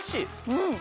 うん。